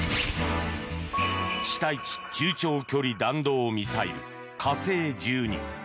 地対地中長距離弾道ミサイル火星１２。